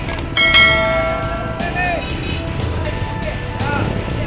gua mau ke sana